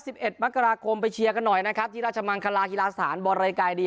สิบเอ็ดมกราคมไปเชียร์กันหน่อยนะครับที่ราชมังคลากีฬาสถานบริการดี